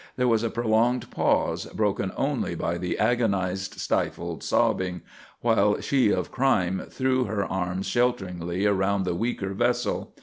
There was a prolonged pause, broken only by the agonised, stifled sobbing, while she of crime threw her arms shelteringly around the weaker vessel.